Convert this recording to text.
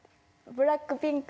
ブラックピンク？